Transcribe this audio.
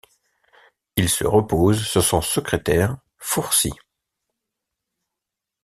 Il se repose sur son secrétaire, Fourcy.